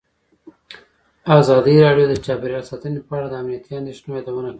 ازادي راډیو د چاپیریال ساتنه په اړه د امنیتي اندېښنو یادونه کړې.